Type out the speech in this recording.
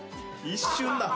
一瞬だ。